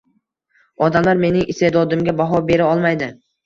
Odamlar mening iste’dodimga baho bera olmaydi.